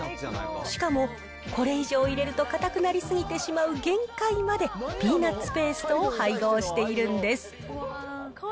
しかも、これ以上入れると固くなり過ぎてしまう限界まで、ピーナッツペーストを配合しているんです。